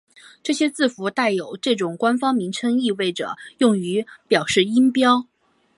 这些字符带有这样的官方名称意味着用于表示音标。